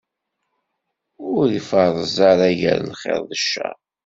Ur iferreẓ ara gar lxir d cceṛ.